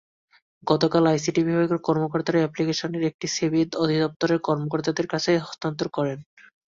গতকাল আইসিটি বিভাগের কর্মকর্তারা অ্যাপ্লিকেশনের একটি সিডি অধিদপ্তরের কর্মকর্তাদের কাছে হস্তান্তর করেন।